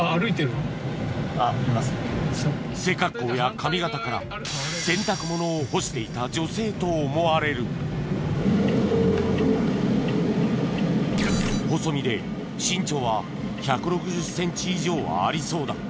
背格好や髪形から洗濯物を干していた女性と思われる細身で身長は１６０ｃｍ以上はありそうだ